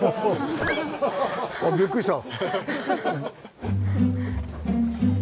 びっくりした。